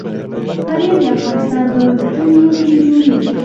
پنېر د افغانستان په کلیو کې جوړېږي.